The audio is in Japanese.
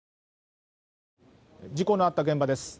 事故のあった現場です。